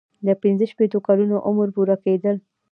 د پنځه شپیتو کلونو عمر پوره کیدل.